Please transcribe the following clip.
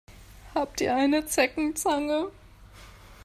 Habt ihr eine Zeckenzange?